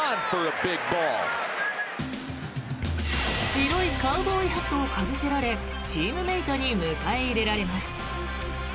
白いカウボーイハットをかぶせられチームメートに迎え入れられます。